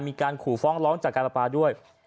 มีการขู่ฟ้องร้องจากการประปาด้วย